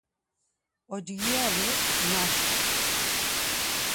Ocgiyalu naşku.